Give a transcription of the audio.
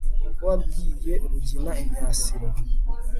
ko wabwiye rugina imyasiro